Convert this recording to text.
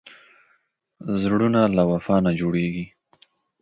زړونه له وفا نه جوړېږي.